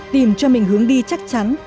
tìm cho mình hướng đi chắc chắn